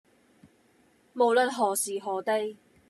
無論何時何地